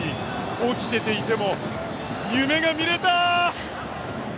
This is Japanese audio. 起きてていても夢が見れた。